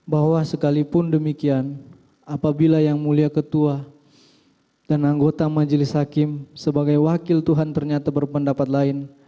bahwa sekalipun demikian apabila yang mulia ketua dan anggota majelis hakim sebagai wakil tuhan ternyata berpendapat lain